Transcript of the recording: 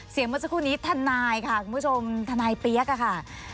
เสียงมาสักครู่นี้ท่านนายค่ะคุณผู้ชมท่านนายเปี๊ยกค่ะค่ะ